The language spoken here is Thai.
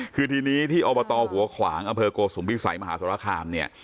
คือทีนี้ที่อบตหัวขวางอเมืองกฏศูนย์บิคไสมหาสรคามเนี่ย